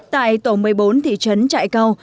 tại tổng một mươi bốn thị trấn trại cao